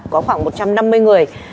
có khoảng một trăm năm mươi người